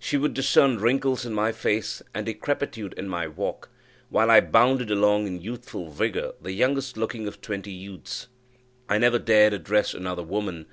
She would discern wrinkles in my face and decrepitude in my walk, while I bounded along in youthful vigour, the youngest looking of twenty youths. I never dared address another woman.